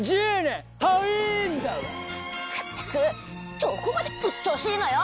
まったくどこまでうっとうしいのよ！